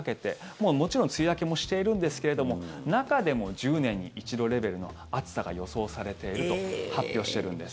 もうもちろん梅雨明けはしているんですけども中でも１０年に一度レベルの暑さが予想されていると発表しているんです。